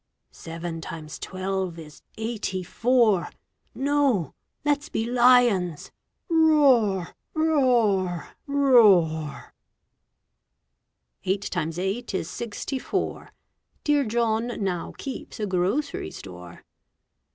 Seven times twelve is eighty four. No! let's be lions. Roar! roar! roar! Eight times eight is sixty four. Dear John now keeps a grocery store.